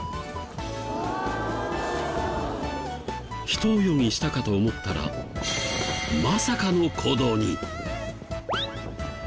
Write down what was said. ひと泳ぎしたかと思ったらまさかの行動に。